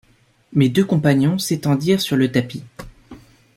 Mes deux compagnons s’étendirent sur le tapis.